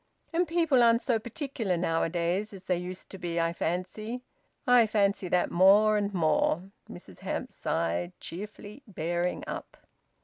And people aren't so particular nowadays as they used to be, I fancy. I fancy that more and more." Mrs Hamps sighed, cheerfully bearing up.